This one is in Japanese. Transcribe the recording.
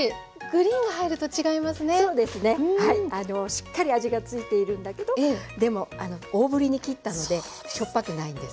しっかり味がついているんだけどでも大ぶりに切ったのでしょっぱくないんです。